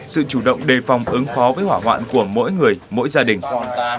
sự chủ động đề phòng ứng phó với hỏa hoạn của mỗi người mỗi gia đình